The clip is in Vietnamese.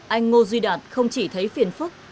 anh ngô duy đạt không chỉ thấy phiền phức